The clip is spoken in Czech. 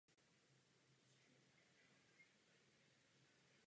Přezimuje housenka.